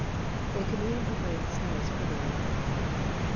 ^^They commune of laying snares primly.